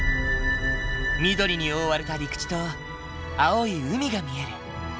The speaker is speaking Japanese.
緑に覆われた陸地と青い海が見える。